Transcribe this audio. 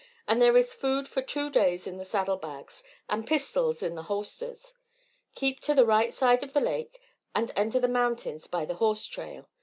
"And there is food for two days in the saddle bags, and pistols in the holsters. Keep to the right of the lake, and enter the mountains by the horse trail.